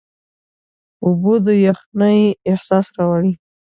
اوبه د یخنۍ احساس راوړي.